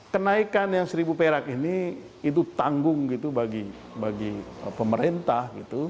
kenaikan yang seribu perak ini itu tanggung bagi pemerintah